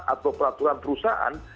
atau peraturan perusahaan